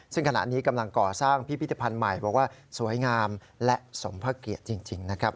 ซึ่งขณะนี้กำลังก่อสร้างพิพิธภัณฑ์ใหม่บอกว่าสวยงามและสมพระเกียรติจริงนะครับ